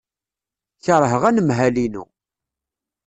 Keṛheɣ anemhal-inu.